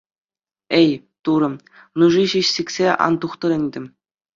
Эй, Турӑ, нуши ҫеҫ сиксе ан тухтӑр ӗнтӗ.